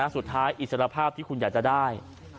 สุดท้ายอิสระภาพที่คุณอยากจะได้